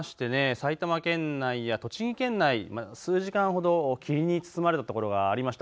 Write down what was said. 埼玉県内や栃木県内、数時間ほど霧に包まれたところがありました。